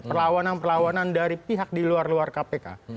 perlawanan perlawanan dari pihak di luar luar kpk